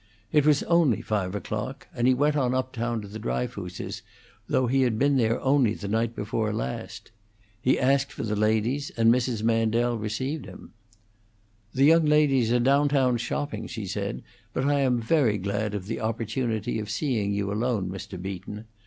It was only five o'clock, and he went on up town to the Dryfooses', though he had been there only the night before last. He asked for the ladies, and Mrs. Mandel received him. "The young ladies are down town shopping," she said, "but I am very glad of the opportunity of seeing you alone, Mr. Beaton.